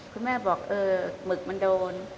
คุณแม่บอกเออหมึกมันโดน